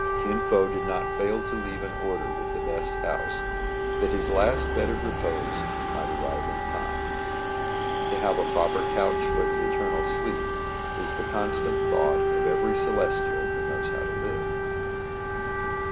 ^ Kin Fo did not fail to leave an order with the best house that his last bed of repose might ar rive in time. To have a proper couch for the eternal sleep is the constant thought of every Celestial who knows how to live.